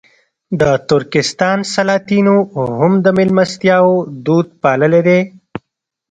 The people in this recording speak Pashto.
د ترکستان سلاطینو هم د مېلمستیاوو دود پاللی دی.